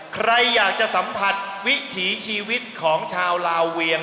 ใครอยากจะสัมผัสวิถีชีวิตของชาวลาเวียง